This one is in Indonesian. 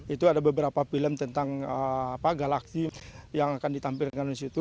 itu ada beberapa film tentang galaksi yang akan ditampilkan di situ